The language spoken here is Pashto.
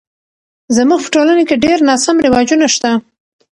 زموږ په ټولنه کې ډیر ناسم رواجونه شته